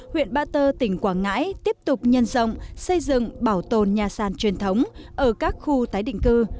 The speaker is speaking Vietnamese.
huyện ba tơ tỉnh quảng ngãi tiếp tục nhân rộng xây dựng bảo tồn nhà sàn truyền thống ở các khu tái định cư